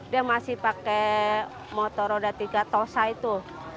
dia masih pakai motor roda tiga tosa itu